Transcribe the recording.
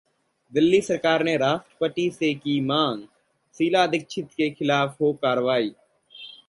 दिल्ली सरकार ने राष्ट्रपति से की मांग, शीला दीक्षित के खिलाफ हो कार्रवाई